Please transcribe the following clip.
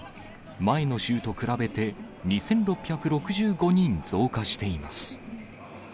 前の週と比べて、２６６５人増加しています。